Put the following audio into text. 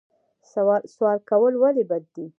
سوال کول ولې بد دي؟